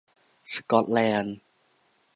สกอตแลนด์